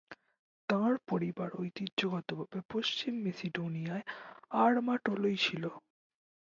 তাঁর পরিবার ঐতিহ্যগতভাবে পশ্চিম মেসিডোনিয়ায় আরমাটোলোই ছিল।